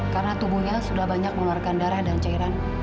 karena tubuhnya sudah banyak mengeluarkan darah dan cairan